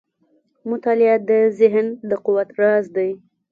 • مطالعه د ذهن د قوت راز دی.